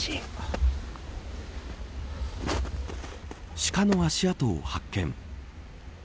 シカの足跡を発見。